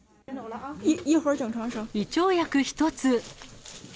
胃腸薬１つ。